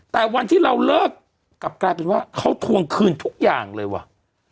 แต่วันที่เราเลิกกลับกลายเป็นว่าเขาทวงคืนทุกอย่างเลยว่ะ